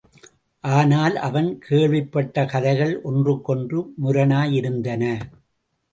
ஆனால் அவன் கேள்விப்பட்ட கதைகள் ஒன்றுக்கொன்று முரணாயிருந்தன.